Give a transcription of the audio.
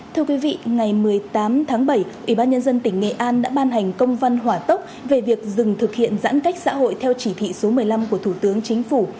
thưa quý vị ngày một mươi tám tháng bảy ủy ban nhân dân tỉnh nghệ an đã ban hành công văn hỏa tốc về việc dừng thực hiện giãn cách xã hội theo chỉ thị số một mươi năm của thủ tướng chính phủ